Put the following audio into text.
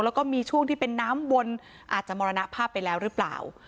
แล้วก็มีช่วงที่เป็นน้ำวนอาจจะมรณภาพไปแล้วหรือเปล่า